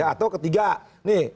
atau ketiga nih